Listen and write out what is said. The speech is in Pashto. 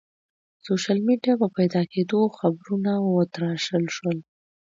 د سوشل میډیا په پیدا کېدو خبرونه وتراشل شول.